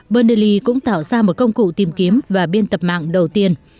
bernally cũng tạo ra một công cụ tìm kiếm và biên tập mạng đầu tiên